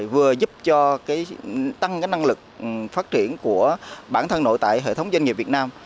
vừa giúp cho tăng năng lực phát triển của bản thân nội tại hệ thống doanh nghiệp việt nam